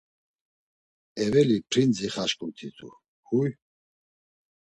Eveli prinzi xaşǩumt̆itu, huy…